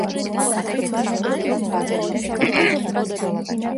ამ ფილმმა კანის ფესტივალის პრესტიჟული ჯილდო „გრან-პრი“ დაიმსახურა.